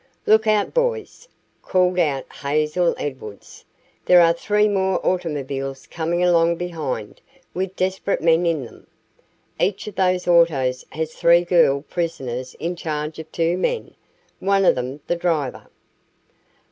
"Look out, boys," called out Hazel Edwards. "There are three more automobiles coming along behind with desperate men in them. Each of those autos has three girl prisoners in charge of two men, one of them the driver."